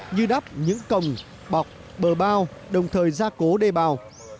như đắp những cồng bọc bờ bao đồng thời gia cố đê bao